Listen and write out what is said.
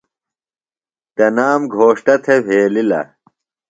تنام گھوݜٹہ تھےۡ وھیلِلہ۔